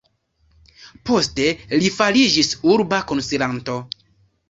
Poste li fariĝis urba konsilanto.